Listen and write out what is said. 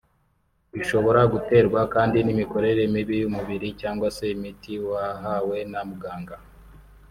bishobora guterwa kandi n’imikorere mibi y’umubiri cyangwa se imiti wahawe na muganga